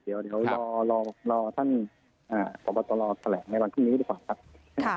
เดี๋ยวรอท่านพบตรแถลงในวันพรุ่งนี้ดีกว่าครับ